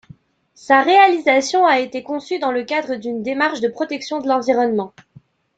Sa réalisation a été conçue dans le cadre d'une démarche de protection de l'environnement.